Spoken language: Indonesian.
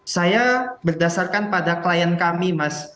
saya berdasarkan pada klien kami mas